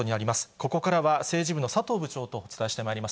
ここからは、政治部の佐藤部長とお伝えしてまいります。